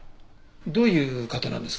どういう方なんですか？